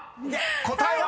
答えは？］